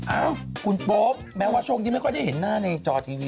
เอ้าคุณโป๊ปแม้ว่าช่วงนี้ไม่ค่อยได้เห็นหน้าในจอทีวี